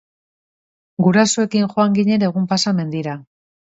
Gurasoekin joan ginen egun pasa mendira.